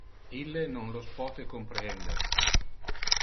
Ille non los pote comprehender!